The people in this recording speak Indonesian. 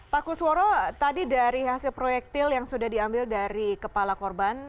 pak kusworo tadi dari hasil proyektil yang sudah diambil dari kepala korban